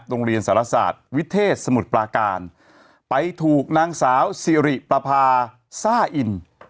โรงเรียนสารศาสตร์วิเทศสมุทรปลาการไปถูกนางสาวสิริประพาซ่าอิน